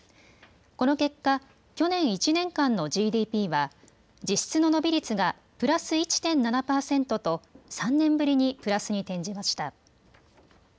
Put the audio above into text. この結果、去年１年間のＧＤＰは実質の伸び率がプラス１．７％と３年ぶりにプラスに転じました。